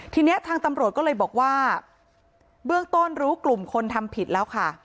ทีนี้ทางตำรวจก็เลยบอกว่าเบื้องต้นรู้กลุ่มคนทำผิดแล้วค่ะ